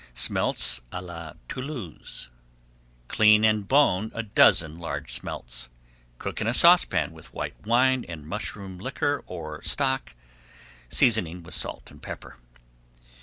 SMELTS À LA TOULOUSE Clean and bone a dozen large smelts. Cook in a saucepan with white wine and mushroom liquor or stock, seasoning with salt and pepper.